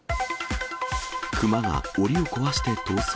クマがおりを壊して逃走。